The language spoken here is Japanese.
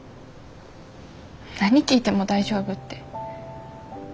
何聞いても大丈夫って。